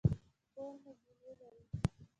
کور مو زینې لري؟